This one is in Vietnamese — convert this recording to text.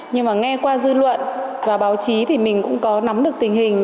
nhưng mà nghe qua dư luận và báo chí thì mình cũng có nắm được tình hình